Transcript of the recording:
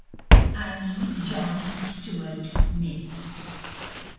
I mean John Stuart Mill.